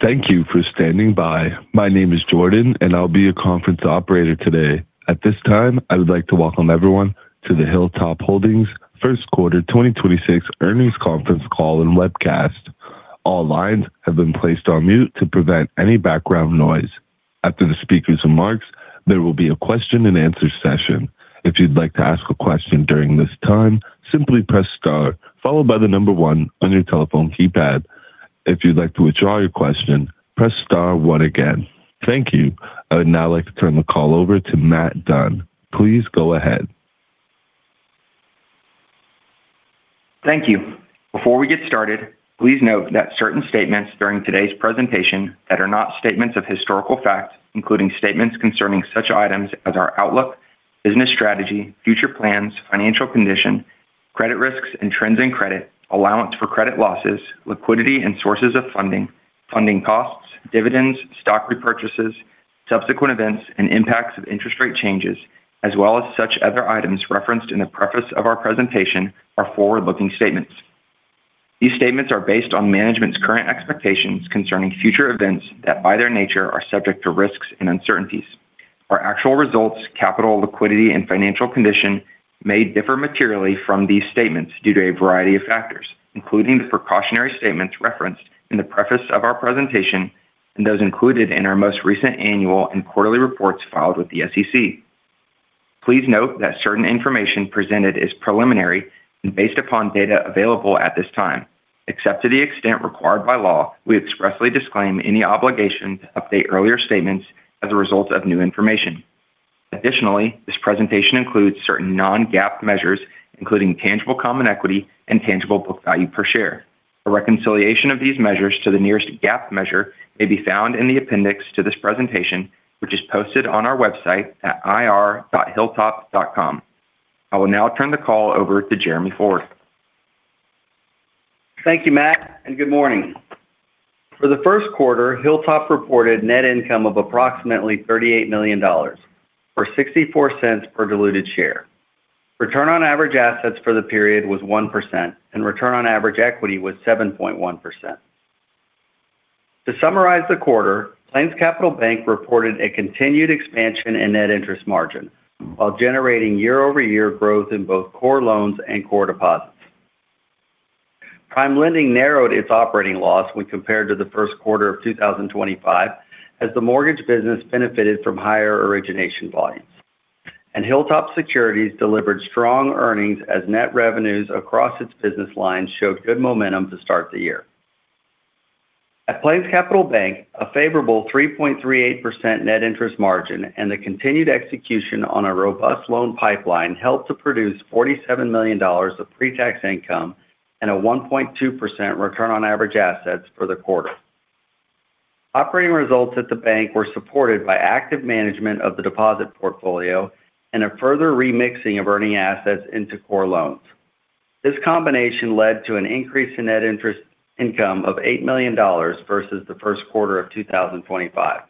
Thank you for standing by. My name is Jordan and I'll be your conference operator today. At this time, I would like to welcome everyone to the Hilltop Holdings first quarter 2026 earnings conference call and webcast. All lines have been placed on mute to prevent any background noise. After the speakers' remarks, there will be a question and answer session. If you'd like to ask a question during this time, simply press star followed by the number one on your telephone keypad. If you'd like to withdraw your question, press star one again. Thank you. I would now like to turn the call over to Matt Dunn. Please go ahead. Thank you. Before we get started, please note that certain statements during today's presentation that are not statements of historical fact, including statements concerning such items as our outlook, business strategy, future plans, financial condition, credit risks and trends in credit, allowance for credit losses, liquidity and sources of funding costs, dividends, stock repurchases, subsequent events, and impacts of interest rate changes, as well as such other items referenced in the preface of our presentation, are forward-looking statements. These statements are based on management's current expectations concerning future events that, by their nature, are subject to risks and uncertainties. Our actual results, capital, liquidity, and financial condition may differ materially from these statements due to a variety of factors, including the precautionary statements referenced in the preface of our presentation and those included in our most recent annual and quarterly reports filed with the SEC. Please note that certain information presented is preliminary and based upon data available at this time. Except to the extent required by law, we expressly disclaim any obligation to update earlier statements as a result of new information. Additionally, this presentation includes certain non-GAAP measures, including tangible common equity and tangible book value per share. A reconciliation of these measures to the nearest GAAP measure may be found in the appendix to this presentation, which is posted on our website at ir.hilltop.com. I will now turn the call over to Jeremy Ford. Thank you, Matt, and good morning. For the first quarter, Hilltop reported net income of approximately $38 million, or $0.64 per diluted share. Return on average assets for the period was 1%, and return on average equity was 7.1%. To summarize the quarter, PlainsCapital Bank reported a continued expansion in net interest margin while generating year-over-year growth in both core loans and core deposits. PrimeLending narrowed its operating loss when compared to the first quarter of 2025 as the mortgage business benefited from higher origination volumes. Hilltop Securities delivered strong earnings as net revenues across its business lines showed good momentum to start the year. At PlainsCapital Bank, a favorable 3.38% net interest margin and the continued execution on a robust loan pipeline helped to produce $47 million of pre-tax income and a 1.2% return on average assets for the quarter. Operating results at the bank were supported by active management of the deposit portfolio and a further remixing of earning assets into core loans. This combination led to an increase in net interest income of $8 million versus the first quarter of 2025.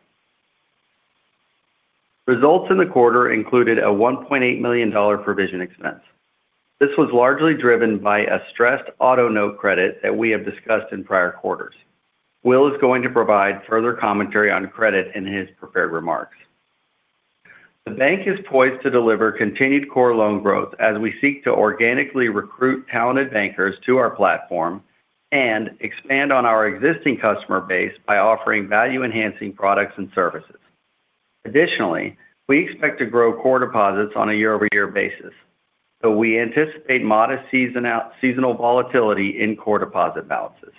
Results in the quarter included a $1.8 million provision expense. This was largely driven by a stressed auto note credit that we have discussed in prior quarters. Will is going to provide further commentary on credit in his prepared remarks. The bank is poised to deliver continued core loan growth as we seek to organically recruit talented bankers to our platform and expand on our existing customer base by offering value-enhancing products and services. Additionally, we expect to grow core deposits on a year-over-year basis, though we anticipate modest seasonal volatility in core deposit balances.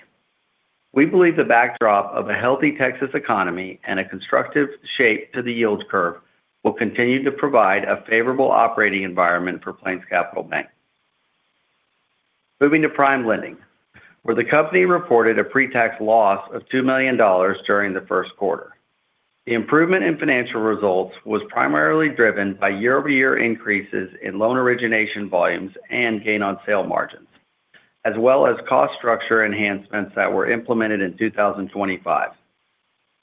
We believe the backdrop of a healthy Texas economy and a constructive shape to the yield curve will continue to provide a favorable operating environment for PlainsCapital Bank. Moving to PrimeLending, where the company reported a pre-tax loss of $2 million during the first quarter. The improvement in financial results was primarily driven by year-over-year increases in loan origination volumes and gain on sale margins, as well as cost structure enhancements that were implemented in 2025.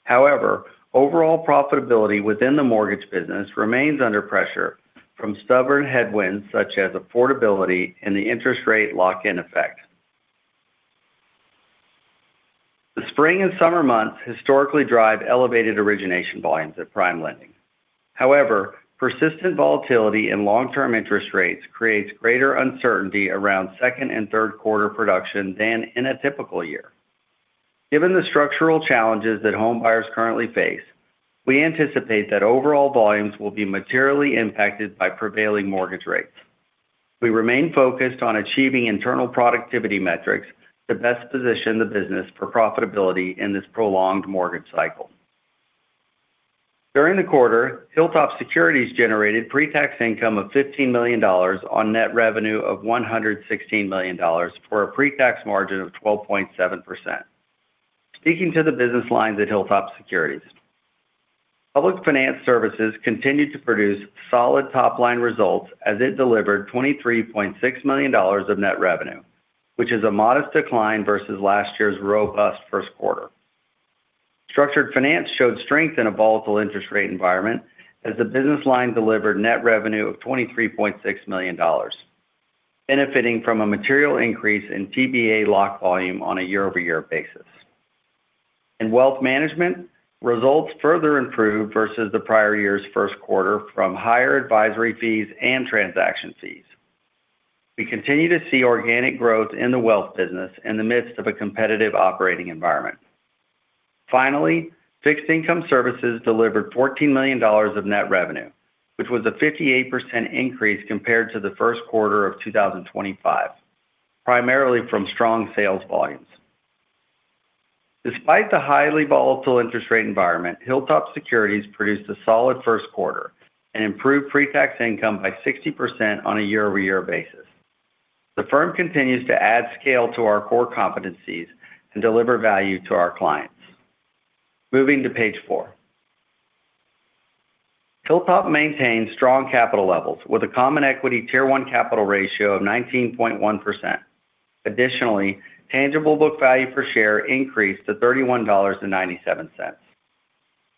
However, overall profitability within the mortgage business remains under pressure from stubborn headwinds such as affordability and the interest rate lock-in effect. The spring and summer months historically drive elevated origination volumes at PrimeLending. However, persistent volatility in long-term interest rates creates greater uncertainty around second and third quarter production than in a typical year. Given the structural challenges that homebuyers currently face, we anticipate that overall volumes will be materially impacted by prevailing mortgage rates. We remain focused on achieving internal productivity metrics to best position the business for profitability in this prolonged mortgage cycle. During the quarter, Hilltop Securities generated pre-tax income of $15 million on net revenue of $116 million, for a pre-tax margin of 12.7%. Speaking to the business lines at Hilltop Securities. Public Finance Services continued to produce solid top-line results as it delivered $23.6 million of net revenue, which is a modest decline versus last year's robust first quarter. Structured Finance showed strength in a volatile interest rate environment as the business line delivered net revenue of $23.6 million. Benefiting from a material increase in TBA lock volume on a year-over-year basis. In wealth management, results further improved versus the prior year's first quarter from higher advisory fees and transaction fees. We continue to see organic growth in the wealth business in the midst of a competitive operating environment. Finally, Fixed Income Services delivered $14 million of net revenue, which was a 58% increase compared to the first quarter of 2025, primarily from strong sales volumes. Despite the highly volatile interest rate environment, Hilltop Securities produced a solid first quarter and improved pre-tax income by 60% on a year-over-year basis. The firm continues to add scale to our core competencies and deliver value to our clients. Moving to page four. Hilltop maintains strong capital levels with a Common Equity Tier 1 capital ratio of 19.1%. Additionally, tangible book value per share increased to $31.97.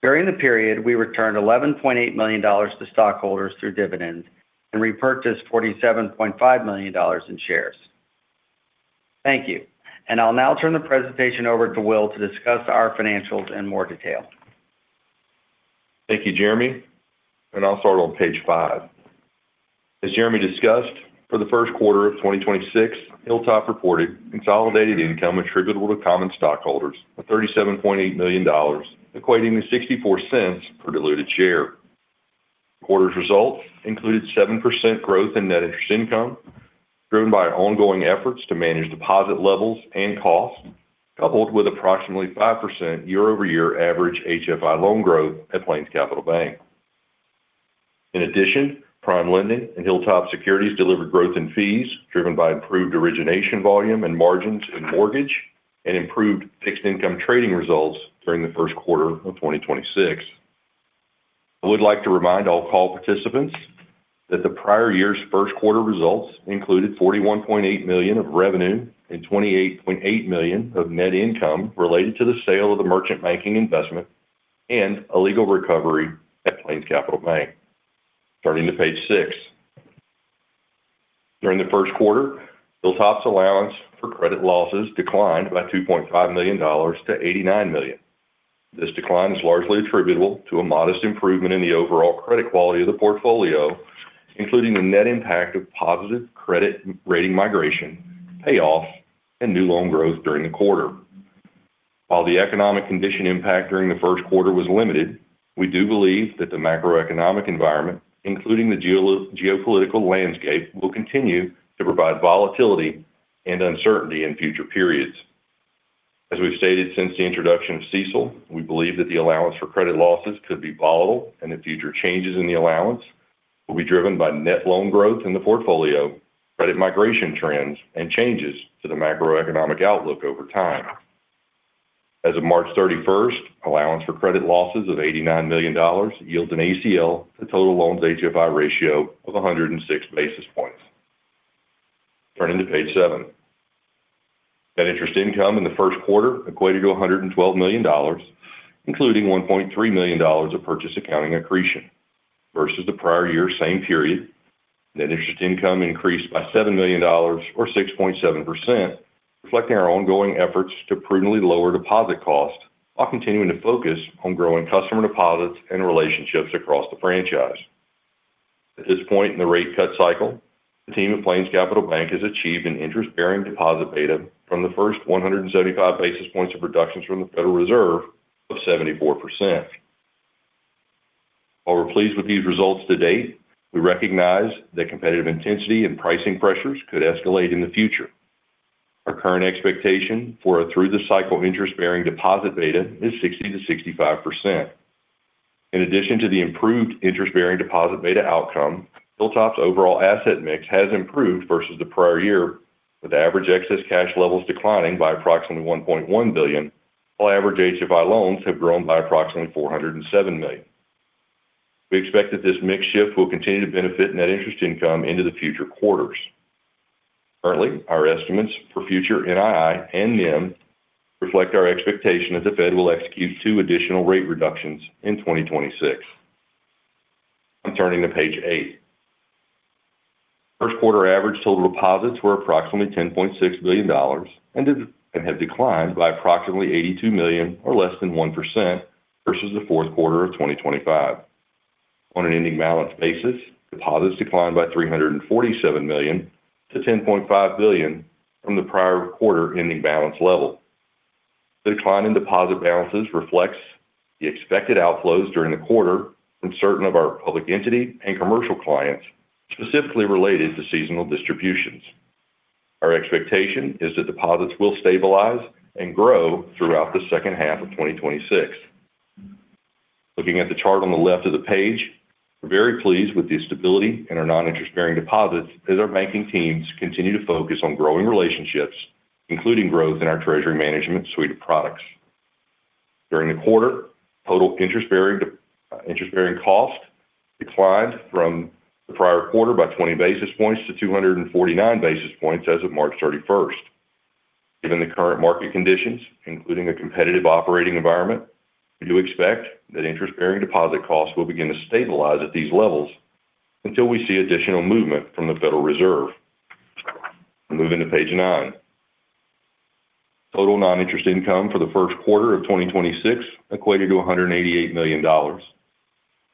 During the period, we returned $11.8 million to stockholders through dividends and repurchased $47.5 million in shares. Thank you. I'll now turn the presentation over to Will to discuss our financials in more detail. Thank you, Jeremy, and I'll start on page five. As Jeremy discussed, for the first quarter of 2026, Hilltop reported consolidated income attributable to common stockholders of $37.8 million, equating to $0.64 per diluted share. The quarter's results included 7% growth in net interest income, driven by ongoing efforts to manage deposit levels and costs, coupled with approximately 5% year-over-year average HFI loan growth at PlainsCapital Bank. In addition, PrimeLending and Hilltop Securities delivered growth in fees driven by improved origination volume and margins in mortgage and improved fixed income trading results during the first quarter of 2026. I would like to remind all call participants that the prior year's first quarter results included $41.8 million of revenue and $28.8 million of net income related to the sale of the merchant banking investment and a legal recovery at PlainsCapital Bank. Turning to page six. During the first quarter, Hilltop's allowance for credit losses declined by $2.5 million to $89 million. This decline is largely attributable to a modest improvement in the overall credit quality of the portfolio, including the net impact of positive credit rating migration, payoffs, and new loan growth during the quarter. While the economic condition impact during the first quarter was limited, we do believe that the macroeconomic environment, including the geopolitical landscape, will continue to provide volatility and uncertainty in future periods. As we've stated since the introduction of CECL, we believe that the allowance for credit losses could be volatile and that future changes in the allowance will be driven by net loan growth in the portfolio, credit migration trends, and changes to the macroeconomic outlook over time. As of March 31st, allowance for credit losses of $89 million yields an ACL to total loans HFI ratio of 106 basis points. Turning to page seven. Net interest income in the first quarter equated to $112 million, including $1.3 million of purchase accounting accretion. Versus the prior year same period, net interest income increased by $7 million or 6.7%, reflecting our ongoing efforts to prudently lower deposit costs while continuing to focus on growing customer deposits and relationships across the franchise. At this point in the rate cut cycle, the team at PlainsCapital Bank has achieved an interest-bearing deposit beta from the first 175 basis points of reductions from the Federal Reserve of 74%. While we're pleased with these results to date, we recognize that competitive intensity and pricing pressures could escalate in the future. Our current expectation for a through-the-cycle interest-bearing deposit beta is 60%-65%. In addition to the improved interest-bearing deposit beta outcome, Hilltop's overall asset mix has improved versus the prior year, with average excess cash levels declining by approximately $1.1 billion, while average HFI loans have grown by approximately $407 million. We expect that this mix shift will continue to benefit net interest income into the future quarters. Currently, our estimates for future NII and NIM reflect our expectation that the Fed will execute two additional rate reductions in 2026. I'm turning to page eight. First quarter average total deposits were approximately $10.6 billion and have declined by approximately $82 million or less than 1% versus the fourth quarter of 2025. On an ending balance basis, deposits declined by $347 million to $10.5 billion from the prior quarter ending balance level. The decline in deposit balances reflects the expected outflows during the quarter from certain of our public entity and commercial clients, specifically related to seasonal distributions. Our expectation is that deposits will stabilize and grow throughout the second half of 2026. Looking at the chart on the left of the page, we're very pleased with the stability in our non-interest-bearing deposits as our banking teams continue to focus on growing relationships, including growth in our treasury management suite of products. During the quarter, total interest-bearing cost declined from the prior quarter by 20 basis points to 249 basis points as of March 31st. Given the current market conditions, including a competitive operating environment, we do expect that interest-bearing deposit costs will begin to stabilize at these levels until we see additional movement from the Federal Reserve. Moving to page nine. Total non-interest income for the first quarter of 2026 equated to $188 million.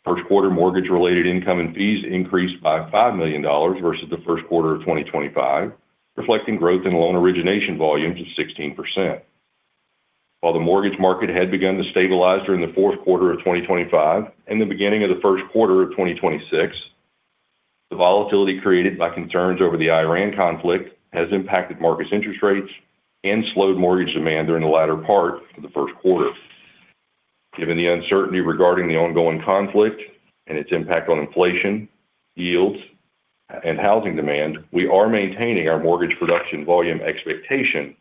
First quarter mortgage related income and fees increased by $5 million versus the first quarter of 2025, reflecting growth in loan origination volume to 16%. While the mortgage market had begun to stabilize during the fourth quarter of 2025 and the beginning of the first quarter of 2026, the volatility created by concerns over the Iran conflict has impacted markets' interest rates and slowed mortgage demand during the latter part of the first quarter. Given the uncertainty regarding the ongoing conflict and its impact on inflation, yields, and housing demand, we are maintaining our mortgage production volume expectation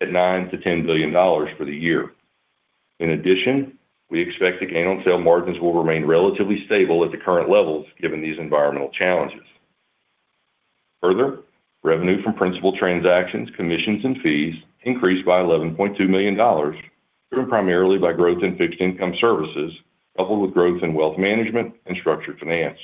at $9 billion-$10 billion for the year. In addition, we expect the gain on sale margins will remain relatively stable at the current levels given these environmental challenges. Further, revenue from principal transactions, commissions, and fees increased by $11.2 million, driven primarily by growth in Fixed Income Services coupled with growth in wealth management and Structured Finance.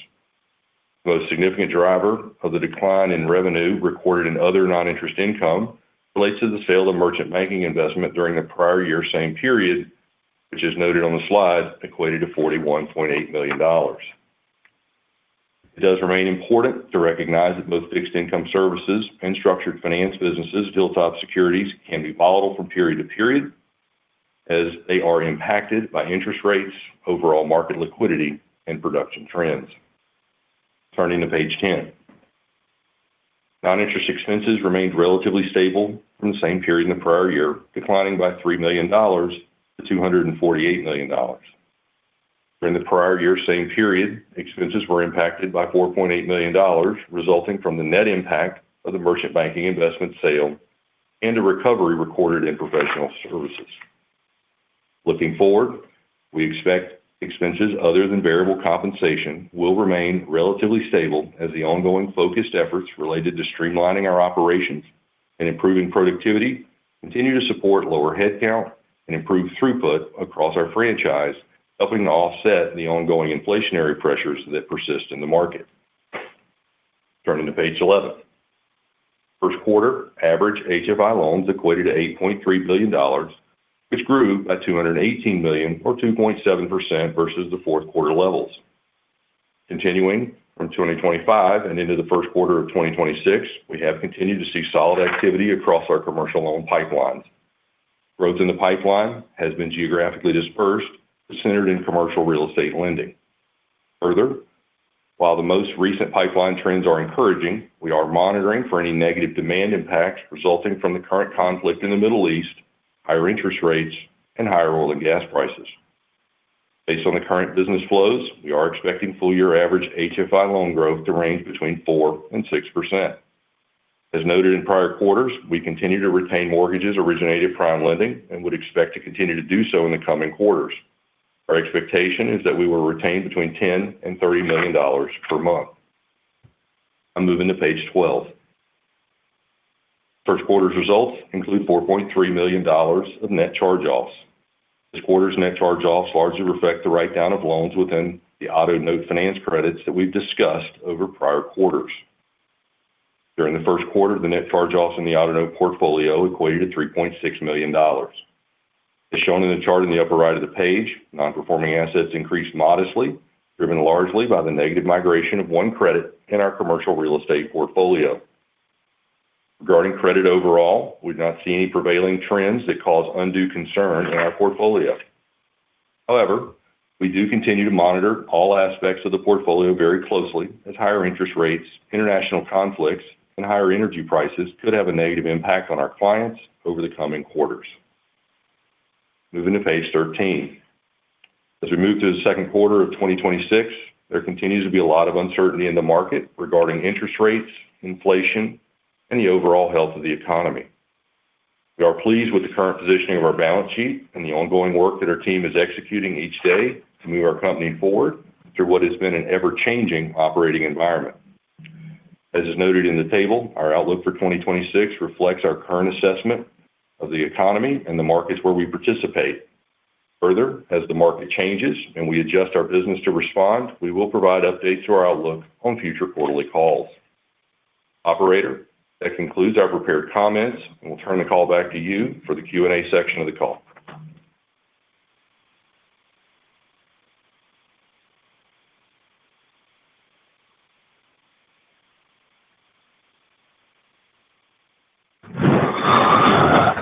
The most significant driver of the decline in revenue recorded in other noninterest income relates to the sale of merchant banking investment during the prior year same period, which is noted on the slide, equated to $41.8 million. It does remain important to recognize that both Fixed Income Services and Structured Finance businesses dealer-type securities can be volatile from period to period, as they are impacted by interest rates, overall market liquidity, and production trends. Turning to page 10. Noninterest expenses remained relatively stable from the same period in the prior year, declining by $3 million to $248 million. During the prior year same period, expenses were impacted by $4.8 million, resulting from the net impact of the merchant banking investment sale and a recovery recorded in professional services. Looking forward, we expect expenses other than variable compensation will remain relatively stable as the ongoing focused efforts related to streamlining our operations and improving productivity continue to support lower head count and improve throughput across our franchise, helping to offset the ongoing inflationary pressures that persist in the market. Turning to page 11. First quarter average HFI loans equated to $8.3 billion, which grew by $218 million or 2.7% versus the fourth quarter levels. Continuing from 2025 and into the first quarter of 2026, we have continued to see solid activity across our commercial loan pipelines. Growth in the pipeline has been geographically dispersed, centered in commercial real estate lending. Further, while the most recent pipeline trends are encouraging, we are monitoring for any negative demand impacts resulting from the current conflict in the Middle East, higher interest rates, and higher oil and gas prices. Based on the current business flows, we are expecting full year average HFI loan growth to range between 4%-6%. As noted in prior quarters, we continue to retain mortgages originated PrimeLending and would expect to continue to do so in the coming quarters. Our expectation is that we will retain between $10 million-$30 million per month. I'm moving to page 12. First quarter's results include $4.3 million of net charge-offs. This quarter's net charge-offs largely reflect the write-down of loans within the auto note finance credits that we've discussed over prior quarters. During the first quarter, the net charge-offs in the auto note portfolio equated to $3.6 million. As shown in the chart in the upper right of the page, non-performing assets increased modestly, driven largely by the negative migration of one credit in our commercial real estate portfolio. Regarding credit overall, we do not see any prevailing trends that cause undue concern in our portfolio. However, we do continue to monitor all aspects of the portfolio very closely as higher interest rates, international conflicts, and higher energy prices could have a negative impact on our clients over the coming quarters. Moving to page 13. As we move to the second quarter of 2026, there continues to be a lot of uncertainty in the market regarding interest rates, inflation, and the overall health of the economy. We are pleased with the current positioning of our balance sheet and the ongoing work that our team is executing each day to move our company forward through what has been an ever-changing operating environment. As is noted in the table, our outlook for 2026 reflects our current assessment of the economy and the markets where we participate. Further, as the market changes and we adjust our business to respond, we will provide updates to our outlook on future quarterly calls. Operator, that concludes our prepared comments. We'll turn the call back to you for the Q&A section of the call.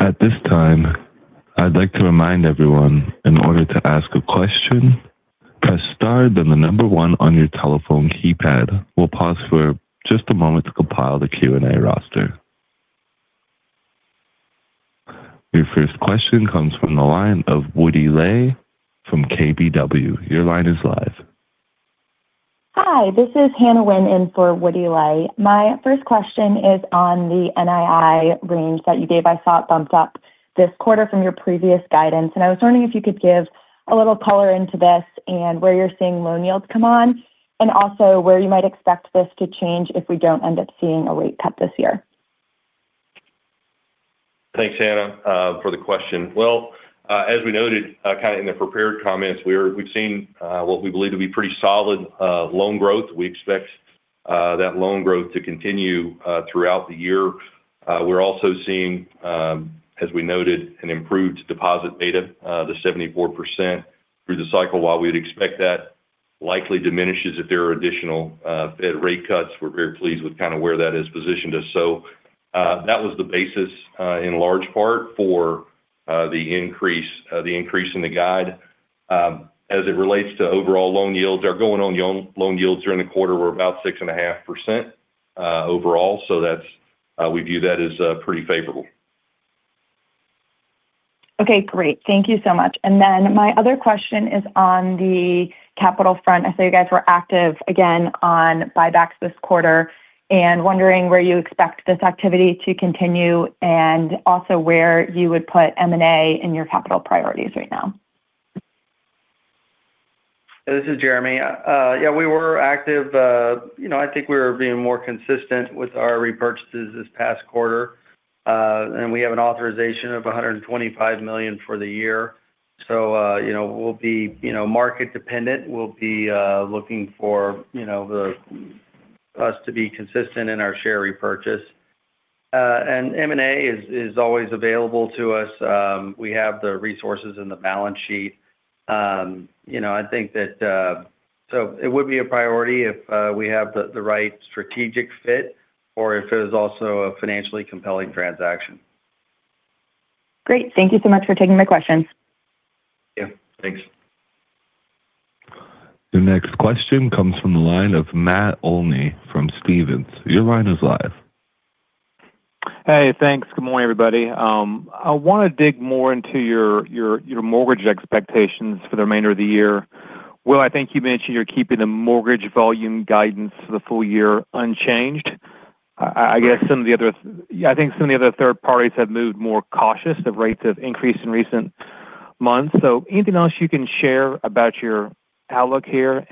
At this time, I'd like to remind everyone, in order to ask a question, press star then the number one on your telephone keypad. We'll pause for just a moment to compile the Q&A roster. Your first question comes from the line of Woody Lay from KBW. Your line is live. Hi, this is Hannah Wynn in for Woody Lay. My first question is on the NII range that you gave. I saw it bumped up this quarter from your previous guidance, and I was wondering if you could give a little color on this and where you're seeing loan yields come in. Where you might expect this to change if we don't end up seeing a rate cut this year. Thanks, Hannah, for the question. Well, as we noted kind of in the prepared comments, we've seen what we believe to be pretty solid loan growth. We expect that loan growth to continue throughout the year. We're also seeing, as we noted, an improved deposit beta, the 74% through the cycle. While we'd expect that likely diminishes if there are additional Fed rate cuts, we're very pleased with kind of where that has positioned us. That was the basis in large part for the increase in the guide. As it relates to overall loan yields, our going loan yields during the quarter were about 6.5% overall. We view that as pretty favorable. Okay, great. Thank you so much. My other question is on the capital front. I saw you guys were active again on buybacks this quarter, and wondering where you expect this activity to continue and also where you would put M&A in your capital priorities right now. This is Jeremy. Yeah, we were active. I think we were being more consistent with our repurchases this past quarter. We have an authorization of $125 million for the year. We'll be market dependent. We'll be looking for us to be consistent in our share repurchase. M&A is always available to us. We have the resources and the balance sheet. It would be a priority if we have the right strategic fit or if it is also a financially compelling transaction. Great. Thank you so much for taking my questions. Yeah, thanks. The next question comes from the line of Matt Olney from Stephens. Your line is live. Hey, thanks. Good morning, everybody. I want to dig more into your mortgage expectations for the remainder of the year. Will, I think you mentioned you're keeping the mortgage volume guidance for the full year unchanged. I think some of the other third parties have moved more cautious as rates have increased in recent months. Anything else you can share about your outlook here?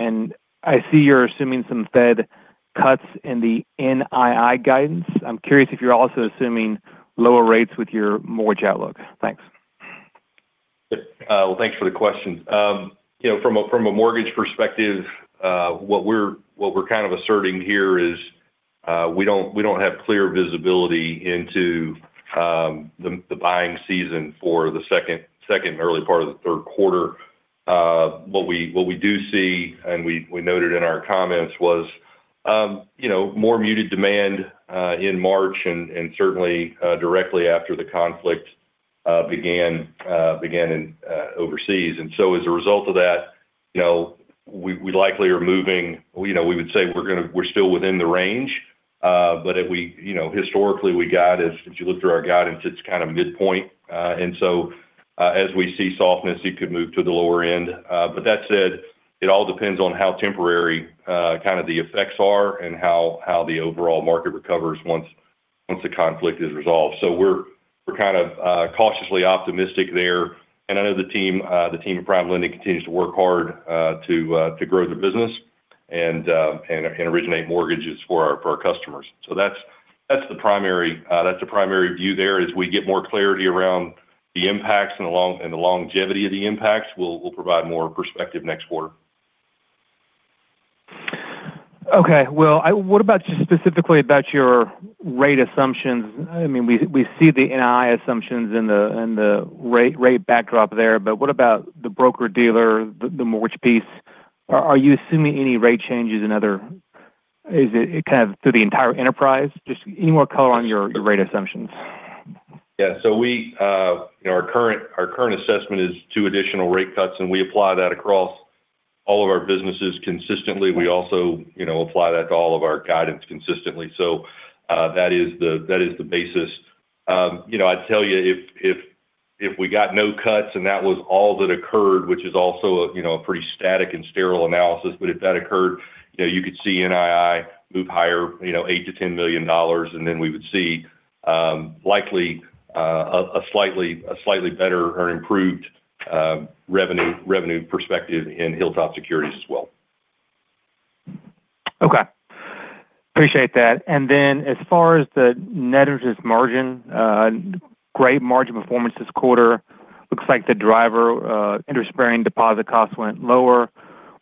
I see you're assuming some Fed cuts in the NII guidance. I'm curious if you're also assuming lower rates with your mortgage outlook. Thanks. Well, thanks for the question. From a mortgage perspective, what we're kind of asserting here is we don't have clear visibility into the buying season for the second, early part of the third quarter. What we do see, and we noted in our comments, was more muted demand in March and certainly directly after the conflict began overseas. As a result of that, we would say we're still within the range. Historically, if you look through our guidance, it's kind of midpoint. As we see softness, you could move to the lower end. That said, it all depends on how temporary kind of the effects are and how the overall market recovers once the conflict is resolved. We're kind of cautiously optimistic there. I know the team at PrimeLending continues to work hard to grow the business and originate mortgages for our customers. That's the primary view there. As we get more clarity around the impacts and the longevity of the impacts, we'll provide more perspective next quarter. Okay. Will, what about just specifically about your rate assumptions? We see the NII assumptions and the rate backdrop there, but what about the broker-dealer, the mortgage piece? Are you assuming any rate changes? Is it kind of through the entire enterprise? Just any more color on your rate assumptions? Yeah. Our current assessment is two additional rate cuts, and we apply that across all of our businesses consistently. We also apply that to all of our guidance consistently. That is the basis. I'd tell you if we got no cuts and that was all that occurred, which is also a pretty static and sterile analysis, but if that occurred, you could see NII move higher $8 million-$10 million, and then we would see likely a slightly better or improved revenue perspective in Hilltop Securities as well. Okay. Appreciate that. As far as the net interest margin, great margin performance this quarter. Looks like the driver interest-bearing deposit costs went lower.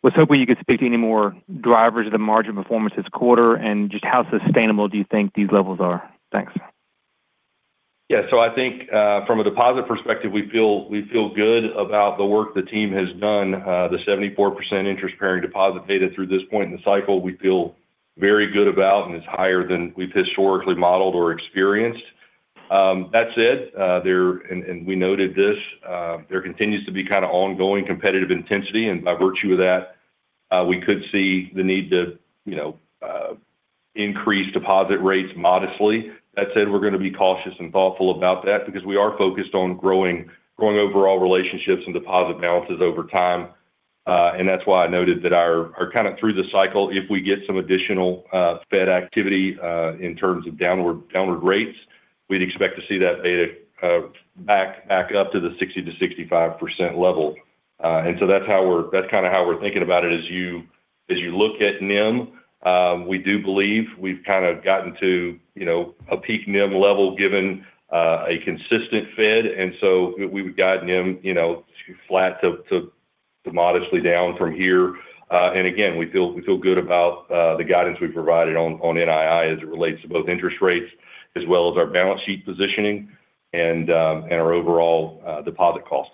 Was hoping you could speak to any more drivers of the margin performance this quarter, and just how sustainable do you think these levels are? Thanks. Yeah. I think from a deposit perspective, we feel good about the work the team has done. The 74% interest-bearing deposit beta through this point in the cycle, we feel very good about, and it's higher than we've historically modeled or experienced. That said, and we noted this, there continues to be kind of ongoing competitive intensity, and by virtue of that, we could see the need to increase deposit rates modestly. That said, we're going to be cautious and thoughtful about that because we are focused on growing overall relationships and deposit balances over time. That's why I noted that kind of through the cycle, if we get some additional Fed activity in terms of downward rates. We'd expect to see that beta back up to the 60%-65% level. That's kind of how we're thinking about it as you look at NIM. We do believe we've kind of gotten to a peak NIM level, given a consistent Fed. We've got NIM flat to modestly down from here. We feel good about the guidance we've provided on NII as it relates to both interest rates as well as our balance sheet positioning and our overall deposit cost.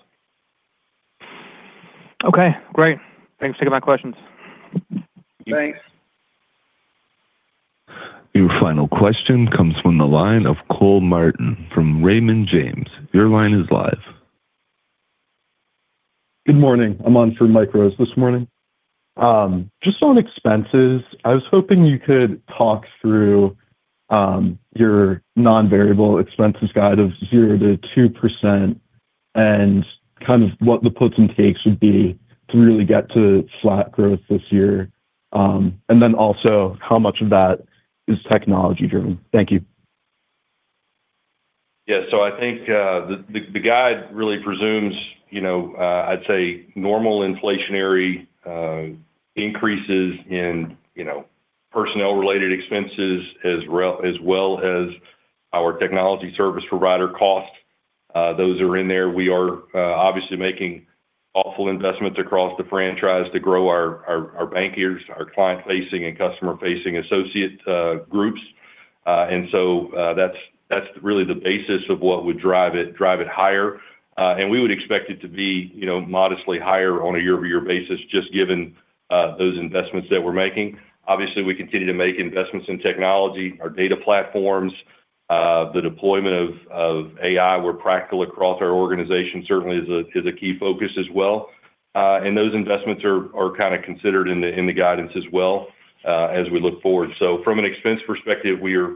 Okay, great. Thanks for taking my questions. Thanks. Your final question comes from the line of Cole Martin from Raymond James. Your line is live. Good morning. I'm on for Michael Rose this morning. Just on expenses, I was hoping you could talk through your non-variable expenses guide of 0%-2% and kind of what the puts and takes would be to really get to flat growth this year. Also how much of that is technology-driven? Thank you. Yeah. I think the guide really presumes, I'd say, normal inflationary increases in personnel-related expenses as well as our technology service provider cost. Those are in there. We are obviously making thoughtful investments across the franchise to grow our bankers, our client-facing, and customer-facing associate groups. That's really the basis of what would drive it higher. We would expect it to be modestly higher on a year-over-year basis, just given those investments that we're making. Obviously, we continue to make investments in technology, our data platforms, the deployment of AI where practical across our organization certainly is a key focus as well. Those investments are kind of considered in the guidance as well, as we look forward. From an expense perspective, we are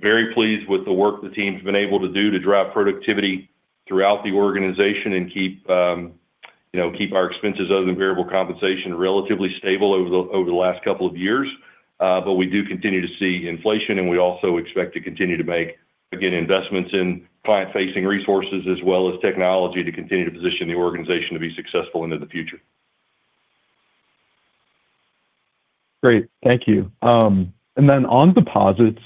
very pleased with the work the team's been able to do to drive productivity throughout the organization and keep our expenses other than variable compensation, relatively stable over the last couple of years. We do continue to see inflation, and we also expect to continue to make, again, investments in client-facing resources as well as technology to continue to position the organization to be successful into the future. Great. Thank you. On deposits,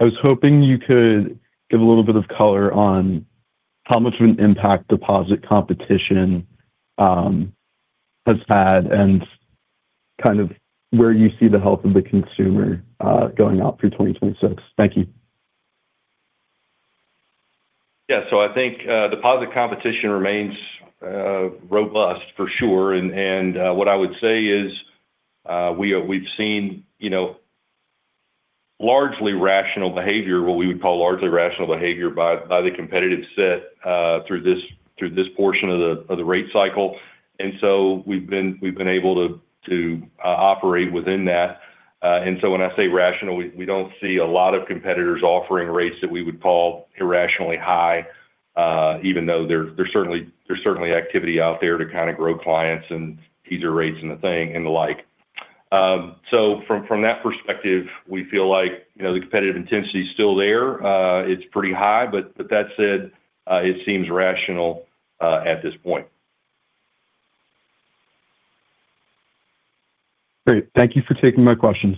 I was hoping you could give a little bit of color on how much of an impact deposit competition has had and kind of where you see the health of the consumer going out through 2026. Thank you. Yeah. I think deposit competition remains robust for sure. What I would say is we've seen largely rational behavior, what we would call largely rational behavior by the competitive set through this portion of the rate cycle. We've been able to operate within that. When I say rational, we don't see a lot of competitors offering rates that we would call irrationally high. Even though there's certainly activity out there to kind of grow clients and teaser rates and the thing and the like. From that perspective, we feel like the competitive intensity is still there. It's pretty high, but that said, it seems rational at this point. Great. Thank you for taking my questions.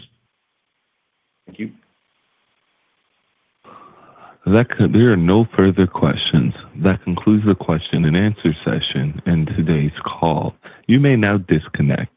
Thank you. There are no further questions. That concludes the question and answer session and today's call. You may now disconnect.